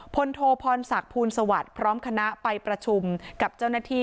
โทพรศักดิ์ภูลสวัสดิ์พร้อมคณะไปประชุมกับเจ้าหน้าที่